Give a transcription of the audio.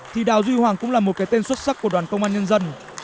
thì đào duy hoàng cũng là một cái tên xuất sắc của đoàn công an nhân dân